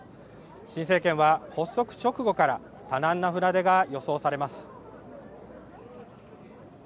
新政権は発足直後から多難な船出が予想されます。